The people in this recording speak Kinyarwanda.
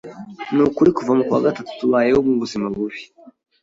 ni ukuri kuva mukwa gatatu tubayeho mu buzima bubi.